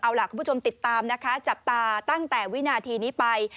เอาล่ะคุณผู้ชมติดตามนะคะจับตาตั้งแต่วินาทีนี้ไป